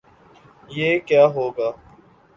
یہ کیا ہو گا؟